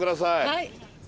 はい。